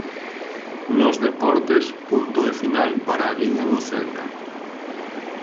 Nos deportes, punto e final para a Liga do Celta.